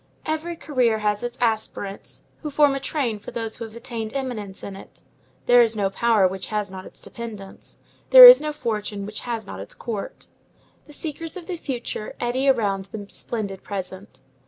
Every career has its aspirants, who form a train for those who have attained eminence in it. There is no power which has not its dependents. There is no fortune which has not its court. The seekers of the future eddy around the splendid present.